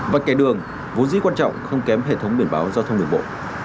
và kẻ đường vốn dĩ quan trọng không kém hệ thống biển báo giao thông đường bộ